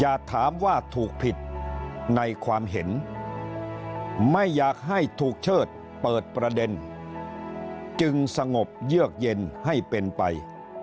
อย่าถามว่าถูกผิดในความเห็นไม่อยากให้ถูกเชิดเปิดประเด็นจึงสงบเยือกเย็นให้เป็นไป